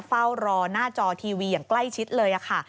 เฝ้ารอหน้าจอทีวีอย่างใกล้ชิดเลยค่ะ